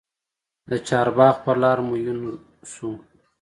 د چارباغ پر لار مو یون سو